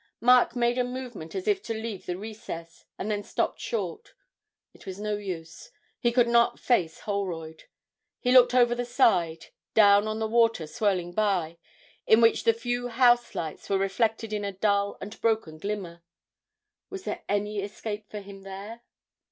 Mark made a movement as if to leave the recess, and then stopped short. It was no use; he could not face Holroyd. He looked over the side, down on the water swirling by, in which the few house lights were reflected in a dull and broken glimmer. Was there any escape for him there?